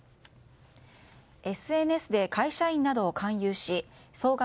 ＳＮＳで会社員などを勧誘し総額